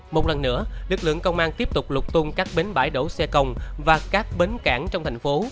một lần nữa lực lượng công an tiếp tục lục tung các bến bãi đổ xe công và các bến cảng trong thành phố